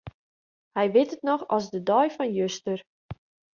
Hy wit it noch as de dei fan juster.